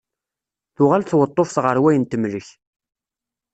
Tuɣal tweṭṭuft ɣer wayen temlek.